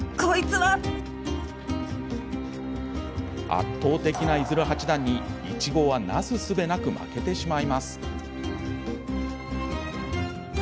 圧倒的な伊鶴八段に、苺はなすすべなく負けてしまいます。